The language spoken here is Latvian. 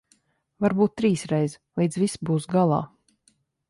Varbūt trīsreiz, līdz viss būs galā.